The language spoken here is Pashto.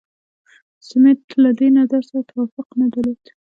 سمیت له دې نظر سره توافق نه درلود.